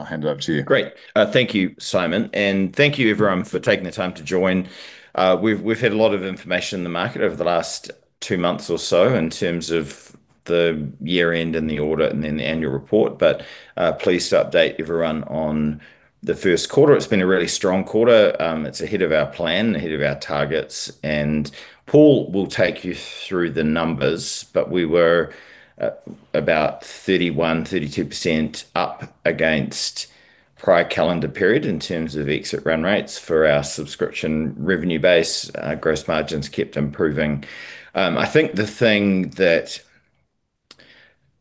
I'll hand it over to you. Great. Thank you, Simon, and thank you everyone for taking the time to join. We've had a lot of information in the market over the last two months or so in terms of the year-end and the audit, and then the annual report. Pleased to update everyone on the first quarter. It's been a really strong quarter. It's ahead of our plan, ahead of our targets, and Paul will take you through the numbers. We were about 31%-32% up against prior calendar period in terms of exit run rates for our subscription revenue base. Gross margins kept improving. I think the thing that,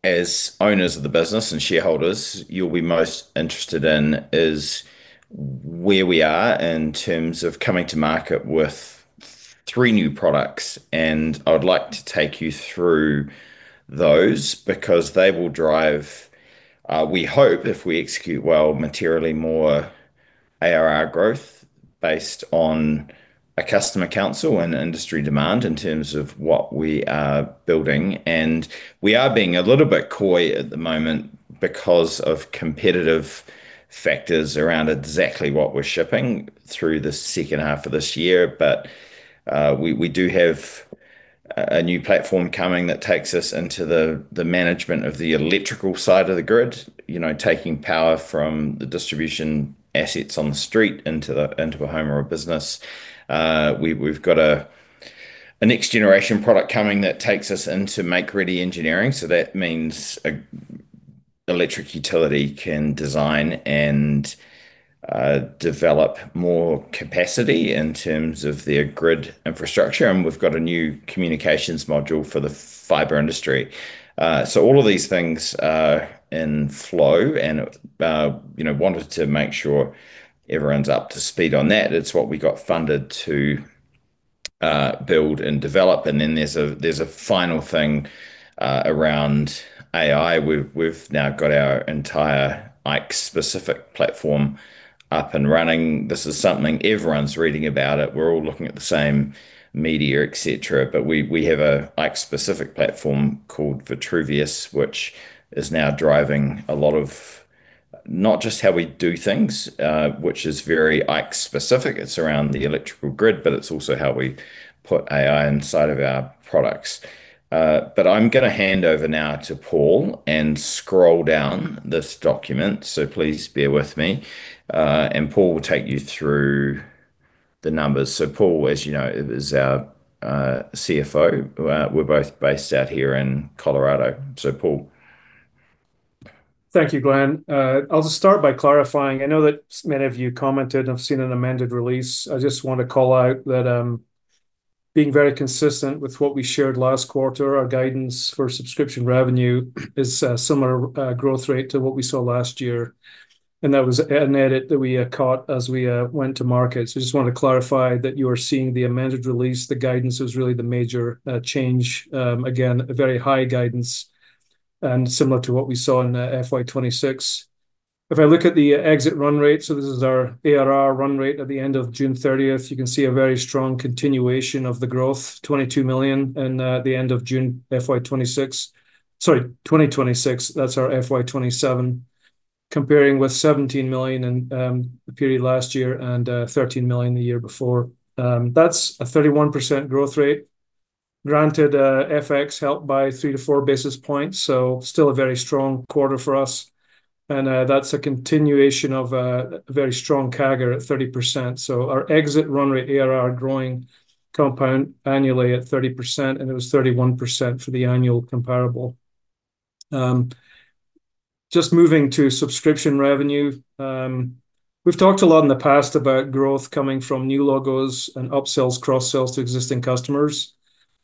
as owners of the business and shareholders, you'll be most interested in is where we are in terms of coming to market with three new products. I would like to take you through those, because they will drive, we hope, if we execute well, materially more ARR growth based on a customer council and industry demand in terms of what we are building. We are being a little bit coy at the moment because of competitive factors around exactly what we're shipping through the second half of this year. We do have a new platform coming that takes us into the management of the electrical side of the grid. Taking power from the distribution assets on the street into a home or a business. We've got a next generation product coming that takes us into make-ready engineering. That means electric utility can design and develop more capacity in terms of their grid infrastructure, and we've got a new communications module for the fiber industry. All of these things are in flow and wanted to make sure everyone's up to speed on that. It's what we got funded to build and develop. Then there's a final thing around AI. We've now got our entire ike-specific platform up and running. This is something everyone's reading about it. We're all looking at the same media, et cetera, but we have a ike-specific platform called Vitruvius, which is now driving a lot of not just how we do things, which is very ike-specific, it's around the electrical grid, but it's also how we put AI inside of our products. I'm going to hand over now to Paul and scroll down this document, please bear with me, and Paul will take you through the numbers. Paul, as you know, is our CFO. We're both based out here in Colorado. Paul. Thank you, Glenn. I'll just start by clarifying, I know that many of you commented and have seen an amended release. I just want to call out that, being very consistent with what we shared last quarter, our guidance for subscription revenue is a similar growth rate to what we saw last year, and that was an edit that we caught as we went to market. Just wanted to clarify that you are seeing the amended release. The guidance is really the major change. A very high guidance and similar to what we saw in FY 2026. If I look at the exit run rate, this is our ARR run rate at the end of June 30th, you can see a very strong continuation of the growth, 22 million in the end of June FY 2026. Sorry, 2026. That's our FY 2027. Comparing with 17 million in the period last year, and 13 million the year before. That's a 31% growth rate. Granted, FX helped by three to four basis points, still a very strong quarter for us. That's a continuation of a very strong CAGR at 30%. Our exit run rate ARR growing compound annually at 30%, and it was 31% for the annual comparable. Just moving to subscription revenue. We've talked a lot in the past about growth coming from new logos and upsells, cross-sells to existing customers.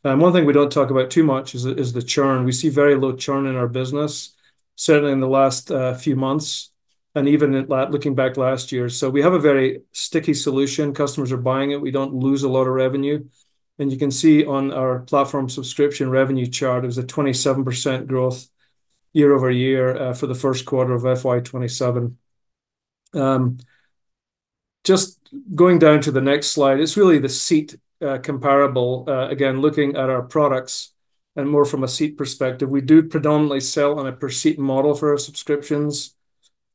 One thing we don't talk about too much is the churn. We see very low churn in our business, certainly in the last few months and even looking back last year. We have a very sticky solution. Customers are buying it. We don't lose a lot of revenue. You can see on our platform subscription revenue chart, it was a 27% growth year-over-year for the first quarter of FY 2027. Just going down to the next slide. It's really the seat comparable. Looking at our products and more from a seat perspective. We do predominantly sell on a per seat model for our subscriptions.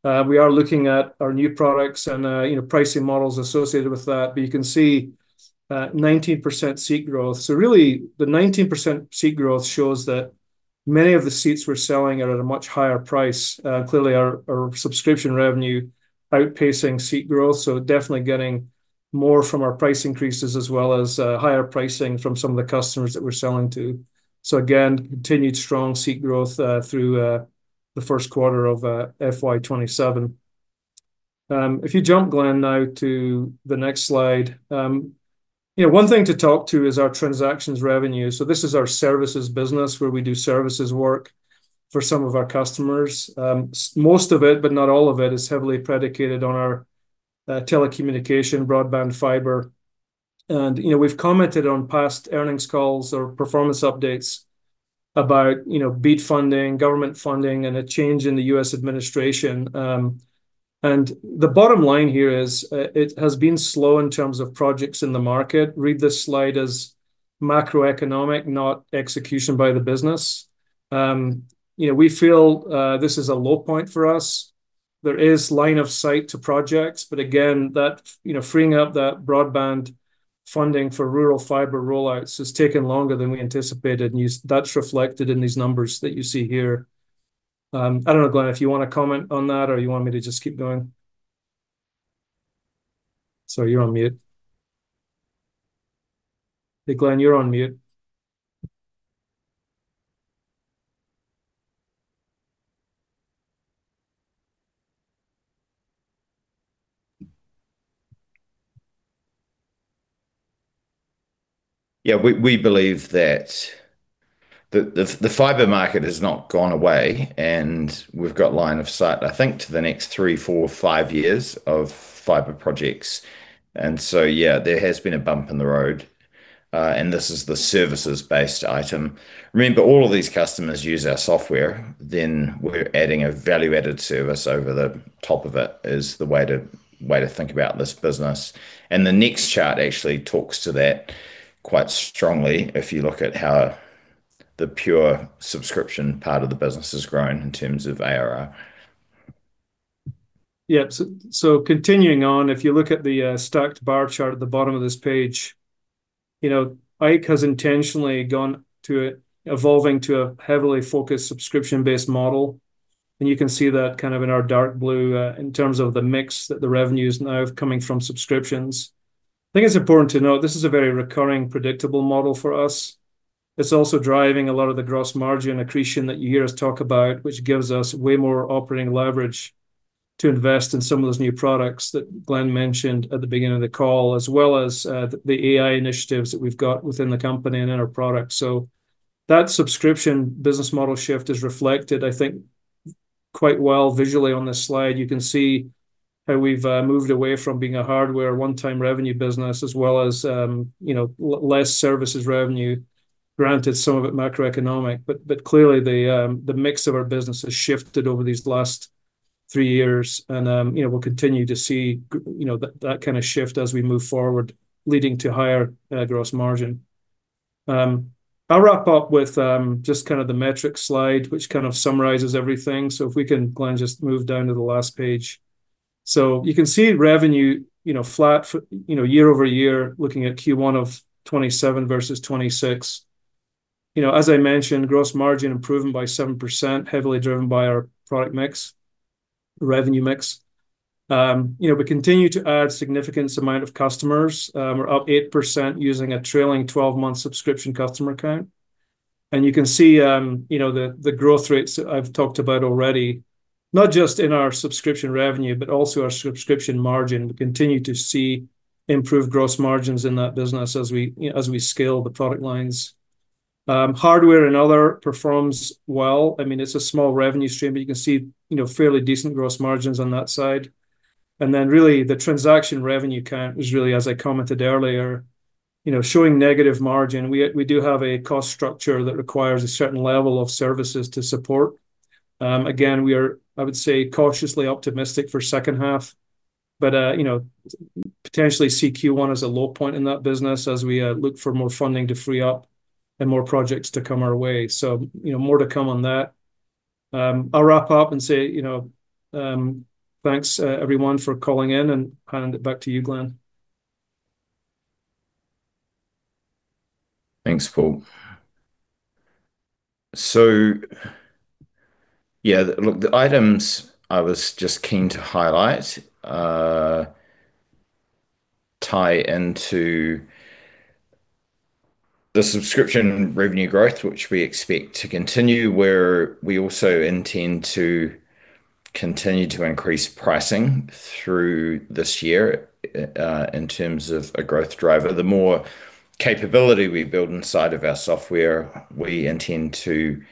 We are looking at our new products and pricing models associated with that. You can see 19% seat growth. Really, the 19% seat growth shows that many of the seats we're selling are at a much higher price. Clearly our subscription revenue outpacing seat growth, so definitely getting more from our price increases as well as higher pricing from some of the customers that we're selling to. Again, continued strong seat growth through the first quarter of FY 2027. If you jump, Glenn, now to the next slide. One thing to talk to is our transactions revenue. This is our services business where we do services work for some of our customers. Most of it, but not all of it, is heavily predicated on our telecommunication broadband fiber. We've commented on past earnings calls or performance updates about BEAD funding, government funding, and a change in the U.S. administration. The bottom line here is it has been slow in terms of projects in the market. Read this slide as Macroeconomic, not execution by the business. We feel this is a low point for us. There is line of sight to projects, but again, freeing up that broadband funding for rural fiber rollouts has taken longer than we anticipated, and that's reflected in these numbers that you see here. I don't know, Glenn, if you want to comment on that, or you want me to just keep going. Sorry, you're on mute. Hey, Glenn, you're on mute. Yeah. We believe that the fiber market has not gone away, we've got line of sight, I think, to the next three, four, five years of fiber projects. Yeah, there has been a bump in the road. This is the services-based item. Remember, all of these customers use our software, then we're adding a value-added service over the top of it is the way to think about this business. The next chart actually talks to that quite strongly if you look at how the pure subscription part of the business has grown in terms of ARR. Yeah. Continuing on, if you look at the stacked bar chart at the bottom of this page. IKE has intentionally gone to evolving to a heavily focused subscription-based model, and you can see that kind of in our dark blue in terms of the mix that the revenue's now coming from subscriptions. I think it's important to note this is a very recurring, predictable model for us. It's also driving a lot of the gross margin accretion that you hear us talk about, which gives us way more operating leverage to invest in some of those new products that Glenn mentioned at the beginning of the call, as well as the AI initiatives that we've got within the company and in our products. That subscription business model shift is reflected, I think, quite well visually on this slide. You can see how we've moved away from being a hardware one-time revenue business as well as less services revenue. Granted, some of it macroeconomic, but clearly the mix of our business has shifted over these last three years and we'll continue to see that kind of shift as we move forward, leading to higher gross margin. I'll wrap up with just kind of the metrics slide, which kind of summarizes everything. If we can, Glenn, just move down to the last page. You can see revenue flat year-over-year, looking at Q1 of 2027 versus 2026. As I mentioned, gross margin improving by 7%, heavily driven by our product mix, revenue mix. We continue to add significant amount of customers. We're up 8% using a trailing 12-month subscription customer count. You can see the growth rates that I've talked about already, not just in our subscription revenue, but also our subscription margin. We continue to see improved gross margins in that business as we scale the product lines. Hardware and other performs well. It's a small revenue stream, but you can see fairly decent gross margins on that side. Then really the transaction revenue count is really, as I commented earlier, showing negative margin. We do have a cost structure that requires a certain level of services to support. Again, we are, I would say, cautiously optimistic for second half, but potentially see Q1 as a low point in that business as we look for more funding to free up and more projects to come our way. More to come on that. I'll wrap up and say thanks everyone for calling in, and hand it back to you, Glenn. Thanks, Paul. Yeah, look, the items I was just keen to highlight tie into the subscription revenue growth, which we expect to continue, where we also intend to continue to increase pricing through this year in terms of a growth driver. The more capability we build inside of our software, we intend to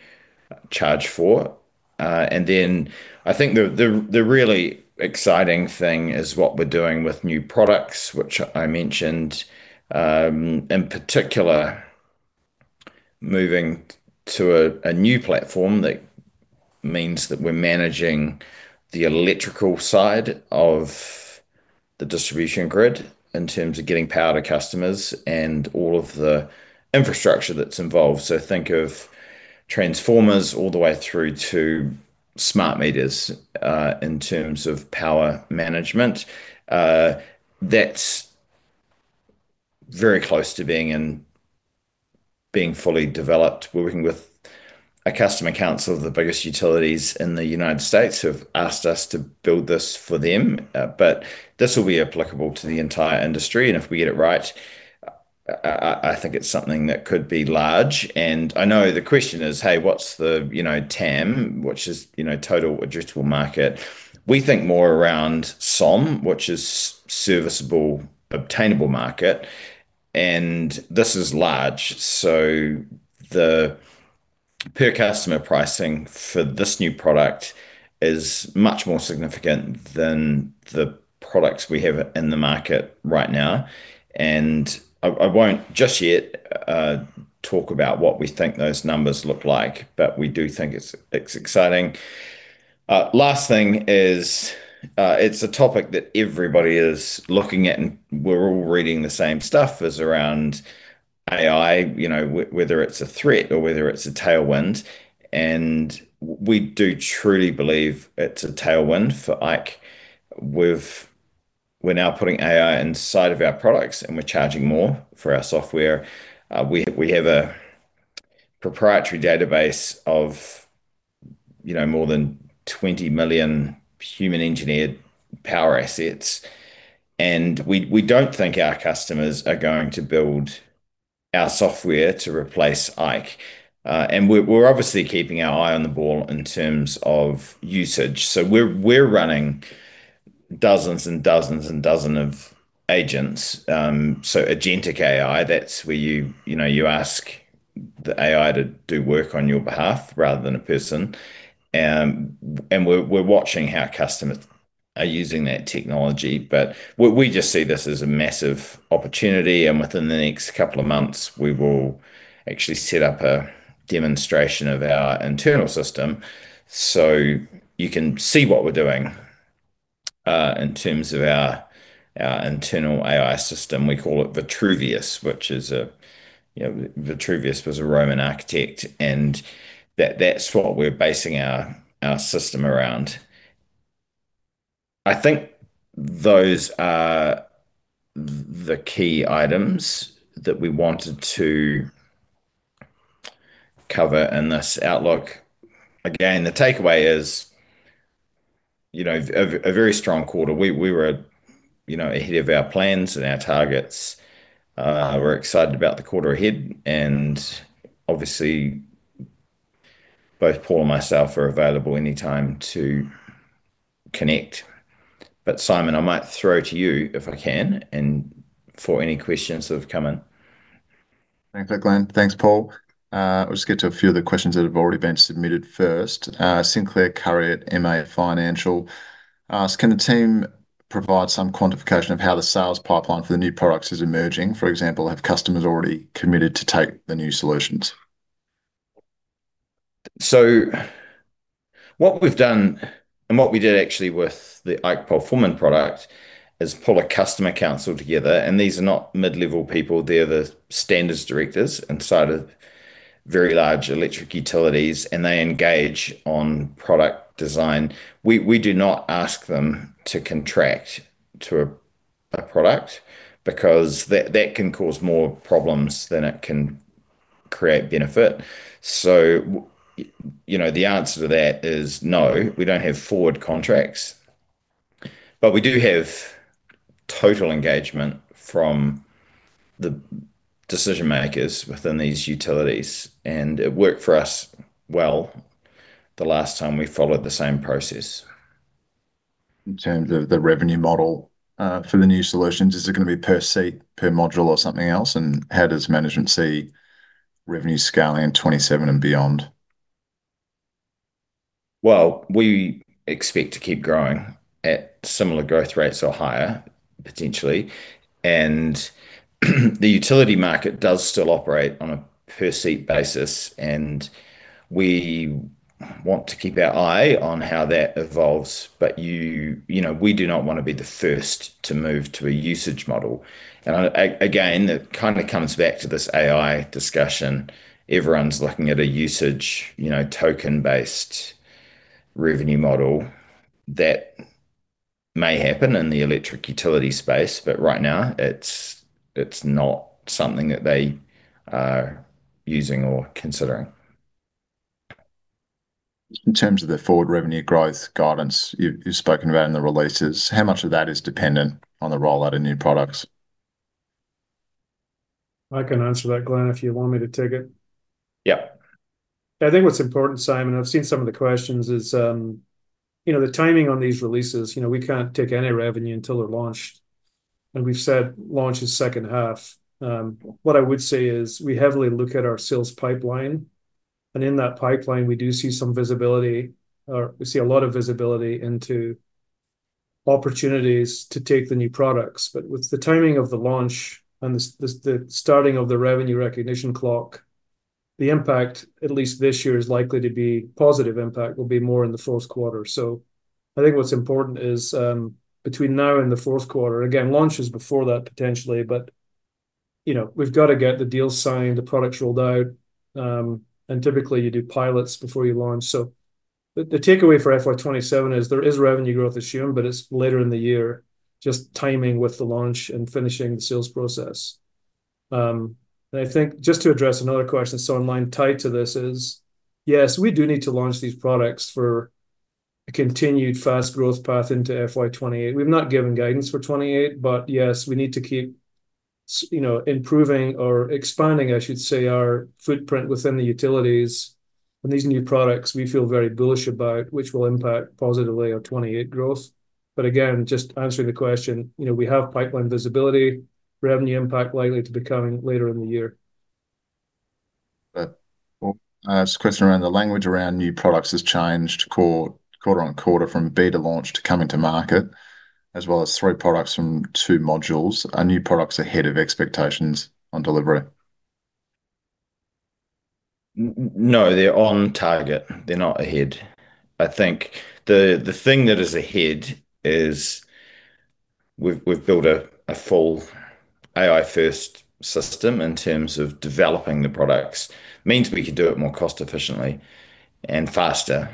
charge for. Then I think the really exciting thing is what we're doing with new products, which I mentioned, in particular, moving to a new platform that means that we're managing the electrical side of the distribution grid in terms of getting power to customers and all of the infrastructure that's involved. Think of transformers all the way through to smart meters in terms of power management. That's very close to being fully developed. We're working with a customer council of the biggest utilities in the United States who've asked us to build this for them. This will be applicable to the entire industry, and if we get it right, I think it's something that could be large. I know the question is, hey, what's the TAM? Which is Total Addressable Market. We think more around SOM, which is Serviceable Obtainable Market, and this is large. The per customer pricing for this new product is much more significant than the products we have in the market right now. I won't just yet talk about what we think those numbers look like, but we do think it's exciting. Last thing is, it's a topic that everybody is looking at, we're all reading the same stuff, is around AI, whether it's a threat or whether it's a tailwind. We do truly believe it's a tailwind for IKE. We're now putting AI inside of our products. We're charging more for our software. We have a proprietary database of more than 20 million human-engineered power assets. We don't think our customers are going to build our software to replace IKE. We're obviously keeping our eye on the ball in terms of usage. We're running dozens and dozens and dozens of agents. Agentic AI, that's where you ask the AI to do work on your behalf rather than a person. We're watching how customers are using that technology. We just see this as a massive opportunity. Within the next couple of months, we will actually set up a demonstration of our internal system so you can see what we're doing in terms of our internal AI system. We call it Vitruvius. Vitruvius was a Roman architect. That's what we're basing our system around. I think those are the key items that we wanted to cover in this outlook. Again, the takeaway is a very strong quarter. We were ahead of our plans and our targets. We're excited about the quarter ahead. Obviously, both Paul and myself are available anytime to connect. Simon, I might throw to you if I can. For any questions that have come in. Thanks for that, Glenn. Thanks, Paul. I'll just get to a few of the questions that have already been submitted first. Sinclair Currie at MA Financial asks, "Can the team provide some quantification of how the sales pipeline for the new products is emerging? Have customers already committed to take the new solutions? What we've done and what we did actually with the IKE Performance product is pull a customer council together. These are not mid-level people. They're the standards directors inside of very large electric utilities. They engage on product design. We do not ask them to contract to a product because that can cause more problems than it can create benefit. The answer to that is no, we don't have forward contracts. We do have total engagement from the decision-makers within these utilities. It worked for us well the last time we followed the same process. In terms of the revenue model for the new solutions, is it going to be per seat, per module, or something else, and how does management see revenue scaling in 2027 and beyond? Well, we expect to keep growing at similar growth rates or higher, potentially. The utility market does still operate on a per seat basis, and we want to keep our eye on how that evolves. We do not want to be the first to move to a usage model. Again, it kind of comes back to this AI discussion. Everyone's looking at a usage, token-based revenue model. That may happen in the electric utility space, but right now, it's not something that they are using or considering. In terms of the forward revenue growth guidance you've spoken about in the releases, how much of that is dependent on the rollout of new products? I can answer that, Glenn, if you want me to take it. Yeah. I think what's important, Simon, I've seen some of the questions, is the timing on these releases. We can't take any revenue until they're launched, and we've said launch is second half. What I would say is we heavily look at our sales pipeline, and in that pipeline, we do see some visibility, or we see a lot of visibility into opportunities to take the new products. With the timing of the launch and the starting of the revenue recognition clock, the impact, at least this year, is likely to be a positive impact, will be more in the fourth quarter. I think what's important is between now and the fourth quarter, again, launch is before that potentially, but we've got to get the deals signed, the products rolled out, and typically you do pilots before you launch. The takeaway for FY 2027 is there is revenue growth this year, but it's later in the year, just timing with the launch and finishing the sales process. I think just to address another question, online tied to this is, yes, we do need to launch these products for a continued fast growth path into FY 2028. We've not given guidance for 2028, but yes, we need to keep improving or expanding, I should say, our footprint within the utilities. These new products we feel very bullish about, which will impact positively our 2028 growth. Again, just answering the question, we have pipeline visibility, revenue impact likely to be coming later in the year. Paul, this question around the language around new products has changed quarter-on-quarter from beta launch to coming to market, as well as three products from two modules. Are new products ahead of expectations on delivery? No, they're on target, they're not ahead. I think the thing that is ahead is we've built a full AI-first system in terms of developing the products. Means we can do it more cost efficiently and faster,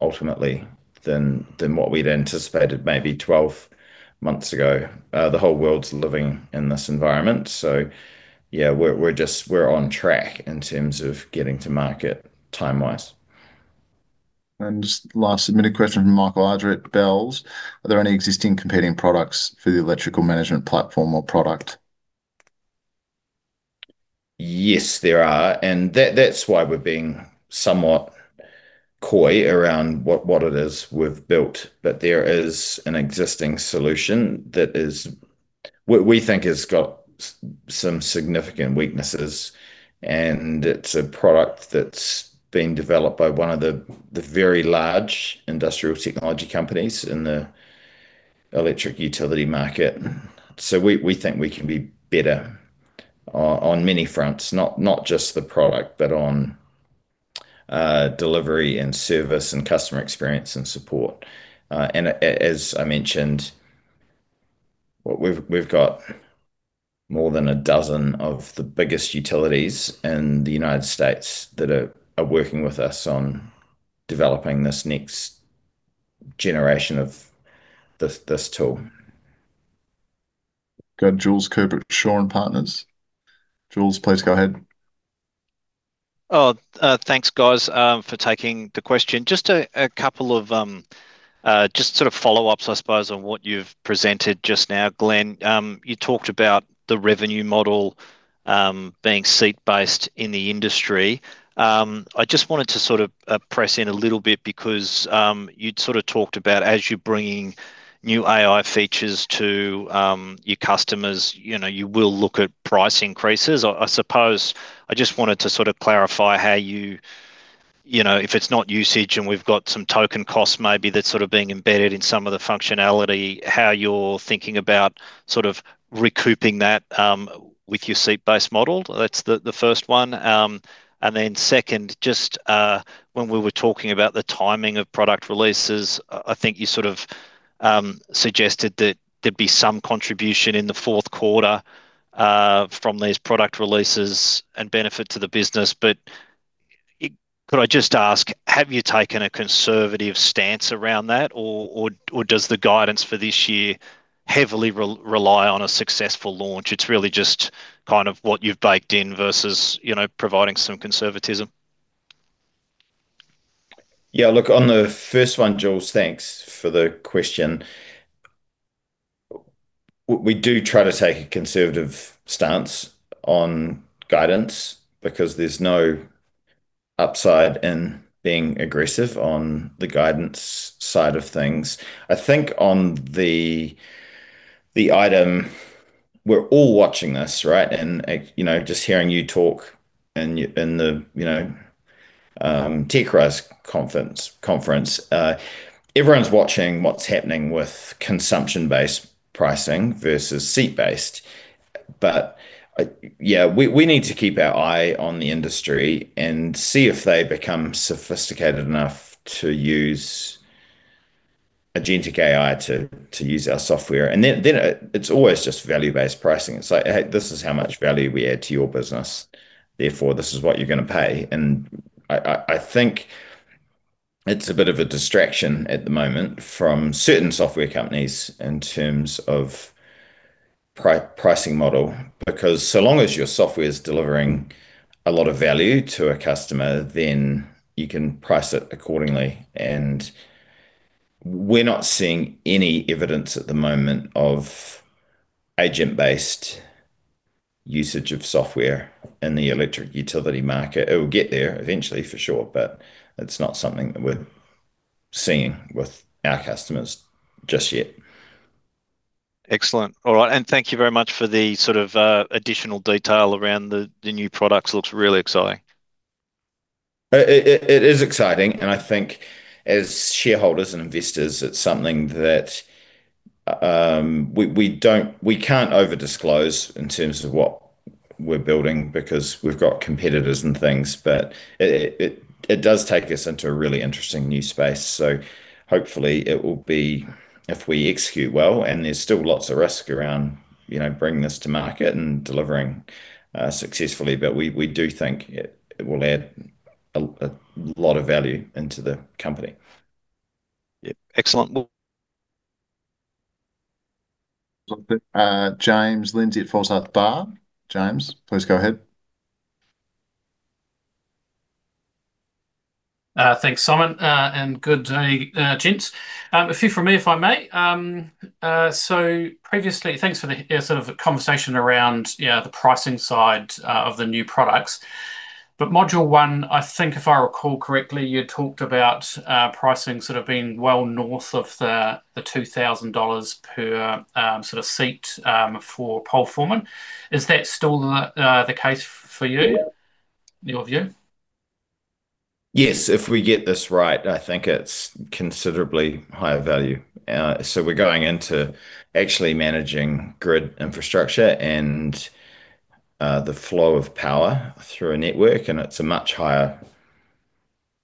ultimately, than what we'd anticipated maybe 12 months ago. The whole world's living in this environment, we're on track in terms of getting to market time-wise. Just last submitted question from Michael Ardrey at Bells. Are there any existing competing products for the electrical management platform or product? Yes, there are, that's why we're being somewhat coy around what it is we've built. There is an existing solution that we think has got some significant weaknesses, and it's a product that's been developed by one of the very large industrial technology companies in the electric utility market. We think we can be better on many fronts, not just the product, but on delivery and service and customer experience and support. As I mentioned, we've got more than 12 of the biggest utilities in the United States that are working with us on developing this next generation of this tool. Got Jules Cooper at Shaw and Partners. Jules, please go ahead. Thanks, guys, for taking the question. Just a couple of just sort of follow-ups, I suppose, on what you've presented just now. Glenn, you talked about the revenue model being seat-based in the industry. I just wanted to sort of press in a little bit because you'd sort of talked about as you're bringing new AI features to your customers, you will look at price increases. I suppose I just wanted to sort of clarify if it's not usage and we've got some token costs maybe that's sort of being embedded in some of the functionality, how you're thinking about sort of recouping that with your seat-based model. That's the first one. Second, just when we were talking about the timing of product releases, I think you sort of suggested that there'd be some contribution in the fourth quarter from these product releases and benefit to the business. Could I just ask, have you taken a conservative stance around that, or does the guidance for this year heavily rely on a successful launch? It's really just kind of what you've baked in versus providing some conservatism. Yeah, look, on the first one, Jules, thanks for the question. We do try to take a conservative stance on guidance because there's no upside in being aggressive on the guidance side of things. I think on the item, we're all watching this, right? Just hearing you talk in the TechRise Conference. Everyone's watching what's happening with consumption-based pricing versus seat-based. Yeah, we need to keep our eye on the industry and see if they become sophisticated enough to use agentic AI to use our software. Then it's always just value-based pricing. It's like, "Hey, this is how much value we add to your business, therefore, this is what you're going to pay." I think it's a bit of a distraction at the moment from certain software companies in terms of pricing model. So long as your software's delivering a lot of value to a customer, then you can price it accordingly. We're not seeing any evidence at the moment of agent-based usage of software in the electric utility market. It will get there eventually, for sure, but it's not something that we're seeing with our customers just yet. Excellent. All right. Thank you very much for the sort of additional detail around the new products. Looks really exciting. It is exciting, I think as shareholders and investors, it's something that we can't over-disclose in terms of what we're building because we've got competitors and things, it does take us into a really interesting new space. Hopefully, it will be if we execute well, and there's still lots of risk around bringing this to market and delivering successfully. We do think it will add a lot of value into the company. Yeah. Excellent. Well. James Lindsay at Forsyth Barr. James, please go ahead. Thanks, Simon, good day, gents. A few from me, if I may. Previously, thanks for the sort of conversation around the pricing side of the new products. Module 1, I think if I recall correctly, you talked about pricing sort of being well north of the 2,000 dollars per sort of seat for IKE PoleForeman. Is that still the case for you, your view? Yes, if we get this right, I think it's considerably higher value. We're going into actually managing grid infrastructure and the flow of power through a network, and it's a much higher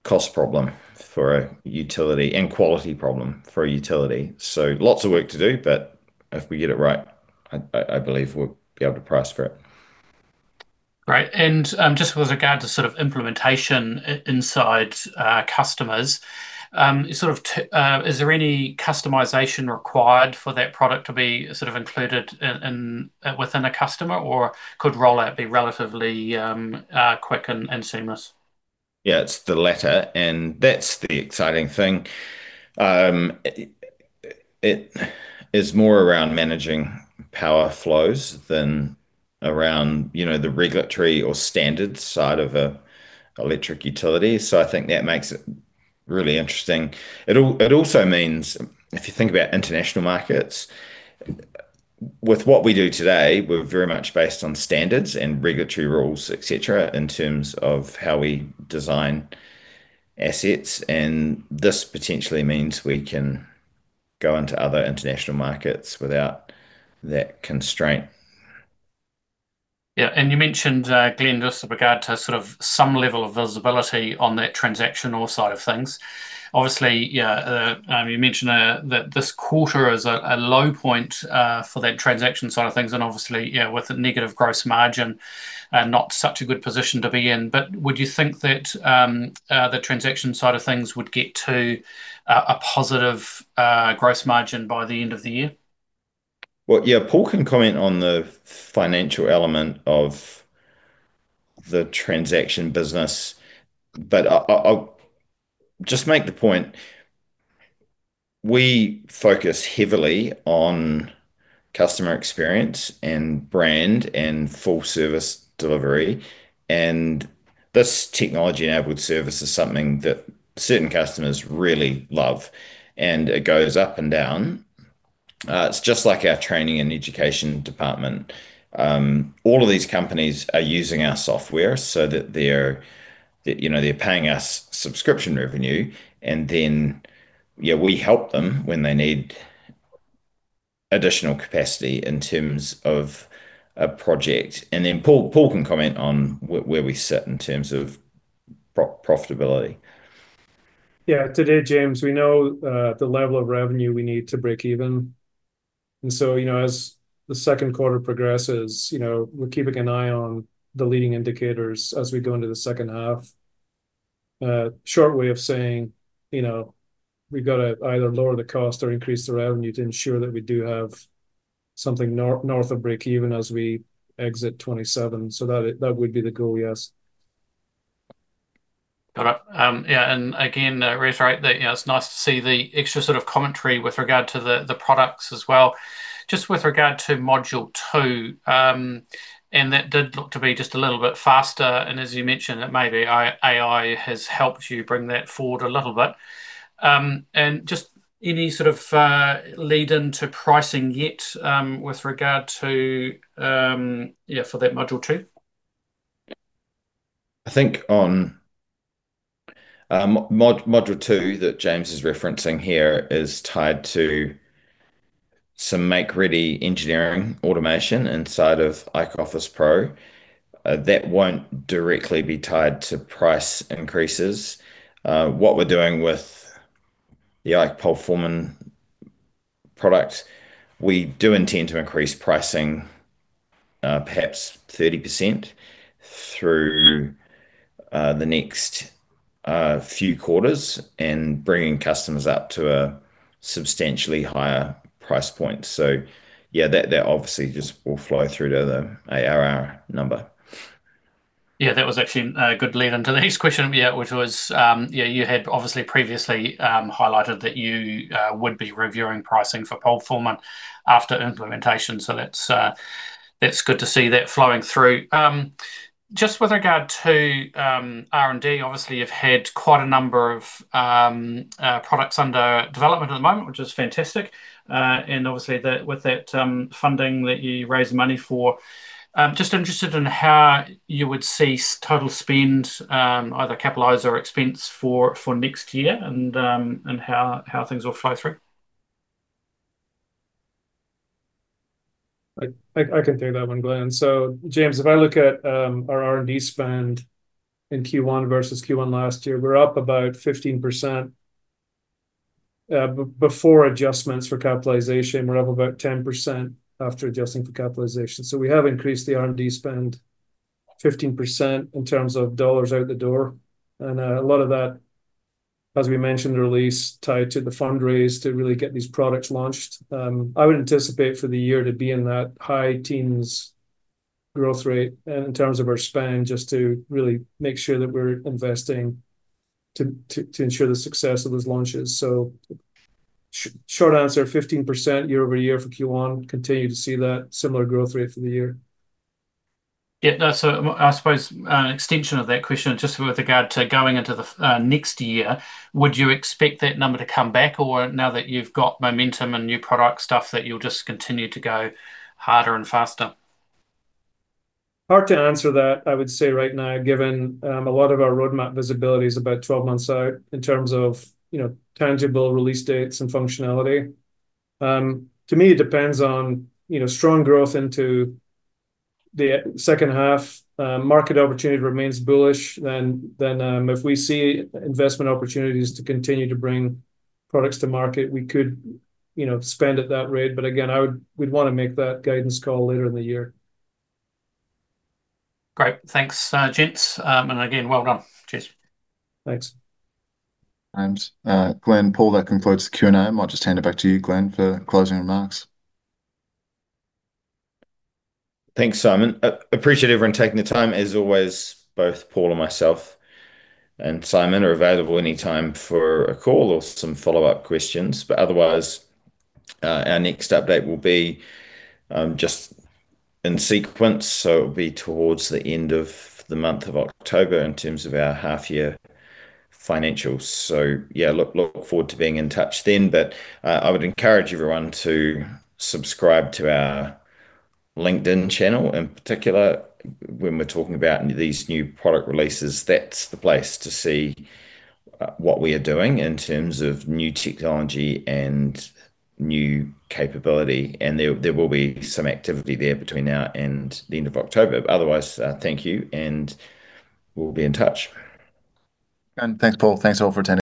cost problem for a utility, and quality problem for a utility. Lots of work to do, but if we get it right, I believe we'll be able to price for it. Great. Just with regard to sort of implementation inside customers, is there any customization required for that product to be sort of included within a customer, or could rollout be relatively quick and seamless? Yeah, it's the latter, and that's the exciting thing. It is more around managing power flows than around the regulatory or standards side of an electric utility. I think that makes it really interesting. It also means if you think about international markets, with what we do today, we're very much based on standards and regulatory rules, et cetera, in terms of how we design assets. This potentially means we can go into other international markets without that constraint. Yeah. You mentioned, Glenn, just with regard to sort of some level of visibility on that transactional side of things. Obviously, you mentioned that this quarter is a low point for that transaction side of things, and obviously with a negative gross margin, not such a good position to be in. Would you think that the transaction side of things would get to a positive gross margin by the end of the year? Yeah. Paul can comment on the financial element of the transaction business, but I'll just make the point, we focus heavily on customer experience and brand and full service delivery, and this technology-enabled service is something that certain customers really love, and it goes up and down. It's just like our training and education department. All of these companies are using our software so that they're paying us subscription revenue, then we help them when they need additional capacity in terms of a project. Paul can comment on where we sit in terms of profitability. Yeah. To date, James, we know the level of revenue we need to break even. As the second quarter progresses, we're keeping an eye on the leading indicators as we go into the second half. Short way of saying we've got to either lower the cost or increase the revenue to ensure that we do have something north of break even as we exit 2027. That would be the goal, yes. Got it. Yeah, again, reiterate that it's nice to see the extra sort of commentary with regard to the products as well. Just with regard to Module 2, that did look to be just a little bit faster, as you mentioned, that maybe AI has helped you bring that forward a little bit. Just any sort of lead into pricing yet with regard to for that Module 2? I think on Module 2 that James is referencing here is tied to some make-ready engineering automation inside of IKE Office Pro. That won't directly be tied to price increases. What we're doing with the IKE PoleForeman product, we do intend to increase pricing perhaps 30% through the next few quarters and bringing customers up to a substantially higher price point. Yeah, that obviously just will flow through to the ARR number. That was actually a good lead into the next question. Yeah. You had obviously previously highlighted that you would be reviewing pricing for IKE PoleForeman after implementation, so that's good to see that flowing through. Just with regard to R&D, obviously, you've had quite a number of products under development at the moment, which is fantastic. Obviously with that funding that you raised money for, just interested in how you would see total spend, either capitalized or expense for next year and how things will flow through. I can take that one, Glenn. James, if I look at our R&D spend in Q1 versus Q1 last year, we're up about 15% before adjustments for capitalization. We're up about 10% after adjusting for capitalization. We have increased the R&D spend 15% in terms of dollars out the door. A lot of that, as we mentioned in the release, tied to the fundraise to really get these products launched. I would anticipate for the year to be in that high teens growth rate in terms of our spend, just to really make sure that we're investing to ensure the success of those launches. Short answer, 15% year-over-year for Q1. Continue to see that similar growth rate for the year. I suppose an extension of that question, just with regard to going into the next year, would you expect that number to come back, or now that you've got momentum and new product stuff, that you'll just continue to go harder and faster? Hard to answer that, I would say right now, given a lot of our roadmap visibility is about 12 months out in terms of tangible release dates and functionality. To me, it depends on strong growth into the second half. Market opportunity remains bullish, if we see investment opportunities to continue to bring products to market, we could spend at that rate. Again, we'd want to make that guidance call later in the year. Great. Thanks, gents. Again, well done. Cheers. Thanks. Thanks. Glenn, Paul, that concludes the Q&A, I'll just hand it back to you, Glenn, for closing remarks. Thanks, Simon. Appreciate everyone taking the time. As always, both Paul and myself and Simon are available any time for a call or some follow-up questions. Otherwise, our next update will be just in sequence, so it'll be towards the end of the month of October in terms of our half-year financials. Yeah, look forward to being in touch then. I would encourage everyone to subscribe to our LinkedIn channel. In particular, when we're talking about these new product releases, that's the place to see what we are doing in terms of new technology and new capability. There will be some activity there between now and the end of October. Otherwise, thank you, and we'll be in touch. Thanks, Paul. Thanks all for taking-